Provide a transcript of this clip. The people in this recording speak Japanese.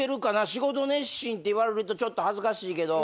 仕事熱心って言われるとちょっと恥ずかしいけど。